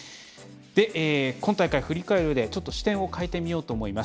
今大会、振り返るうえで視点を変えてみようと思います。